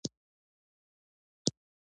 ولې دا بدلون راغلی؟